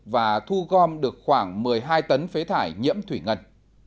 và thu gom được khoảng một mươi hai tấn phế thải nhiễm thủy ngân